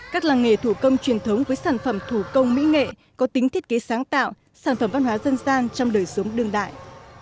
các làng nghề thủ công truyền thống với sản phẩm thủ công mỹ nghệ có tính thiết kế sáng tạo sản phẩm văn hóa dân gian trong đời sống đương đại